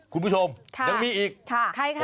คุณผู้ชมยังมีอีกค่ะใครคะ